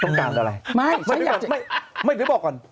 ต้องการอะไรไม่อยากจะ